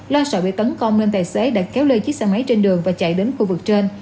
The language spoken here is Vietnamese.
lo sợ bị tấn công nên tài xế đã kéo lê chiếc xe máy trên đường và chạy đến khu vực trên